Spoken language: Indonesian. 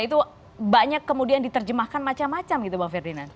itu banyak kemudian diterjemahkan macam macam gitu bang ferdinand